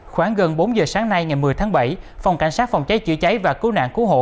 khoảng gần bốn giờ sáng nay ngày một mươi tháng bảy phòng cảnh sát phòng cháy chữa cháy và cứu nạn cứu hộ